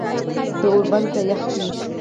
دا ور بند که یخ دی.